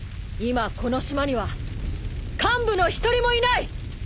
今この島には幹部の一人もいない！